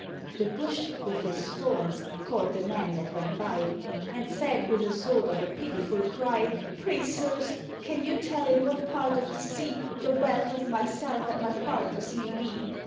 The Bush, with his thorns, caught the men that went by, And said, with a sort of a pitiful cry, "Pray, sirs, can you tell in what part of the sea The wealth of myself and my partners may be?"